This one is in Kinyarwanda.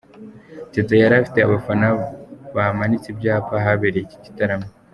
Teta yari afite abafana bamanitse ibyapa ahabereye iki gitaramo.